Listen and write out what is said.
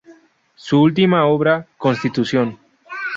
Su última obra, Constitución.